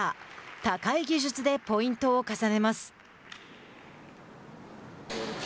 高い技術でポイントを重ねます。